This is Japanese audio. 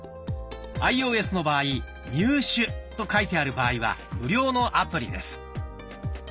アイオーエスの場合「入手」と書いてある場合は無料のアプリです。